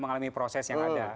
mengalami proses yang ada